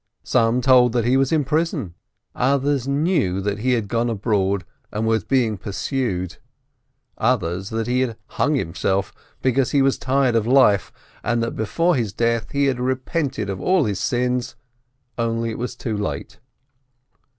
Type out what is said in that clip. Some told that he was in prison, others knew that he had gone abroad and was being pursued, others, that he had hung himself because he was tired of life, and that before his death he had repented of all his sins, only it was too late.